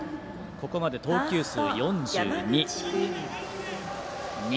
ここまで投球数４２。